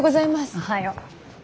おはよう。